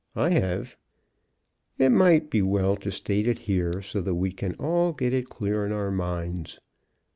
I have. It might be well to state it here so that we can all get it clear in our minds.